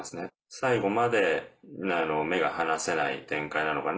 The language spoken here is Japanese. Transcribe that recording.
最後まで目が離せない展開なのかな。